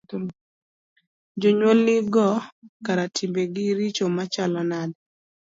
jonyuol nigo kara timbegi richo machalo nade?